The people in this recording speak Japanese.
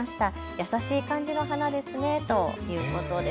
新しい感じの花ですねということです。